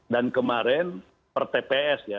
dan kemarin per tps ya